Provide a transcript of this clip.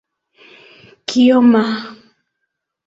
kioma